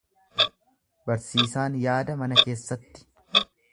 Barsiisaan yaada mana keessatti.